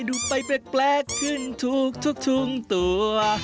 ดูไปแปลกขึ้นทุกตัว